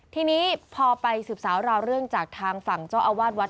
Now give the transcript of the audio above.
ทีนี้พอไปสืบสาวราวเรื่องจากทางฝั่งเจ้าอาวาสวัด